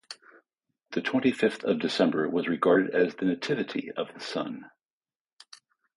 The twenty-fifth of December was regarded as the Nativity of the Sun.